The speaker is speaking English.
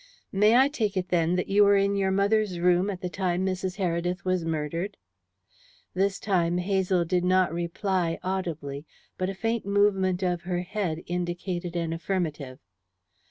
"May I take it, then, that you were in your mother's room at the time Mrs. Heredith was murdered?" This time Hazel did not reply audibly, but a faint movement of her head indicated an affirmative.